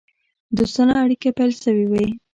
دوستانه اړېکي پیل سوي وه.